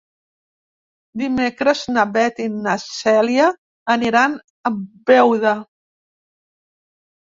Dimecres na Beth i na Cèlia aniran a Beuda.